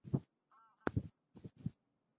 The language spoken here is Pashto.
الله ج د ځمکی او اسمانونو څښتن دی